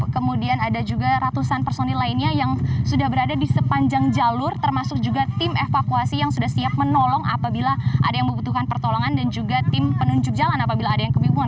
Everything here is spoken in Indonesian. kemudian ada juga ratusan personil lainnya yang sudah berada di sepanjang jalur termasuk juga tim evakuasi yang sudah siap menolong apabila ada yang membutuhkan pertolongan dan juga tim penunjuk jalan apabila ada yang kebingungan